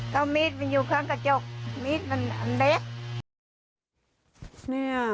ก็มีดมันอยู่ข้างกระจกมีดมันอันเดะ